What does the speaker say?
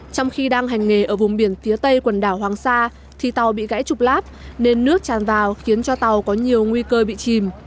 trong khi đang hành nghề ở vùng biển phía tây quần đảo hoàng sa thì tàu bị gãy trục lát nên nước tràn vào khiến cho tàu có nhiều nguy cơ bị chìm